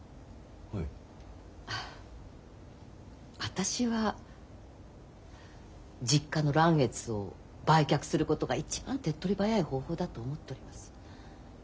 私は実家の嵐月を売却することが一番手っ取り早い方法だと思っております。